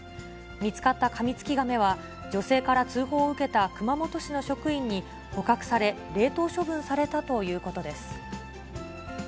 見つかったカミツキガメは、女性から通報を受けた熊本市の職員に捕獲され、冷凍処分されたということです。